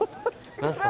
何すか？